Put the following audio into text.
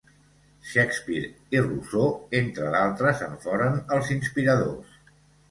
Shakespeare i Rousseau, entre d'altres, en foren els inspiradors.